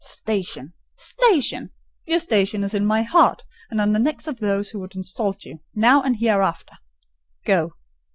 "Station! station!—your station is in my heart, and on the necks of those who would insult you, now or hereafter.—Go."